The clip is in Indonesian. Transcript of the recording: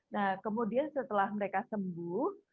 nah kemudian setelah mereka sembuh